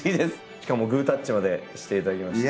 しかもグータッチまでしていただきまして。